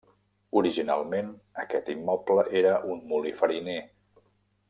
Originalment aquest immoble era un molí fariner.